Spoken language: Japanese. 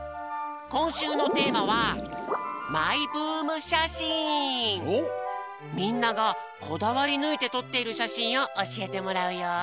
こんしゅうのテーマはみんながこだわりぬいてとっているしゃしんをおしえてもらうよ。